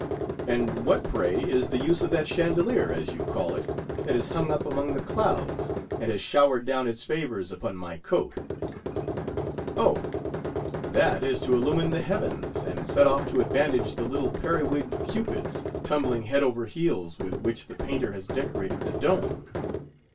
And what, pray, is the use of that chandelier, as you call it, that is hung up among the clouds, and has showered down its favours upon my coat ?"" Oh, that is to illumine the heavens, and set off to advantage the little periwig'd cu pids, tumbling head over heels, with which the painter has decorated the dome.